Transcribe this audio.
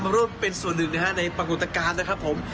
ครับมันรวมเป็นส่วนหนึ่งในปรากฏการณ์นะครับผม